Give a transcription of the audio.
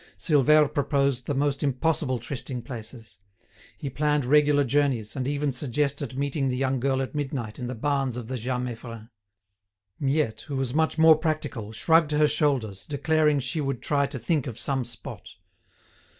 Silvère proposed the most impossible trysting places. He planned regular journeys, and even suggested meeting the young girl at midnight in the barns of the Jas Meiffren. Miette, who was much more practical, shrugged her shoulders, declaring she would try to think of some spot.